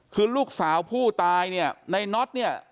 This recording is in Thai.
คือลูกสาวผู้ตายเนี่ยในน็อตเนี่ย